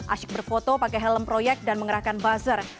asyik berfoto pakai helm proyek dan mengerahkan buzzer